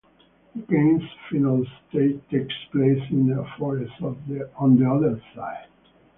The game's final stage takes place in a forest on the other side.